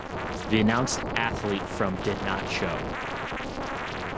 The announced athlete from did not show.